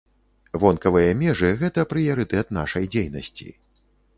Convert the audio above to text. Вонкавыя межы, гэта прыярытэт нашай дзейнасці.